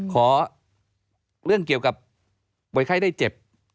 ขอเรื่องเกี่ยวกับป่วยไข้ได้เจ็บ